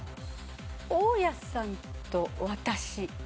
『大家さんと私』。